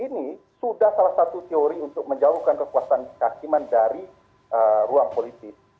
ini sudah salah satu teori untuk menjauhkan kekuasaan kehakiman dari ruang politik